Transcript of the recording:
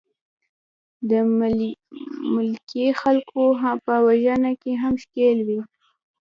د ملکي خلکو په وژنه کې هم ښکېل وې.